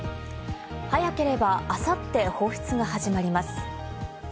早ければあさって放出が始まります。